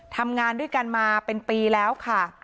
ทำงานด้วยกันมาเป็นปีแล้วค่ะ